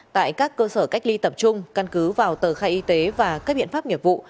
tại các cơ sở cách ly tập trung căn cứ vào tờ khai y tế và các biện pháp nghiệp vụ